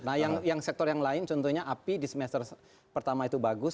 nah yang sektor yang lain contohnya api di semester pertama itu bagus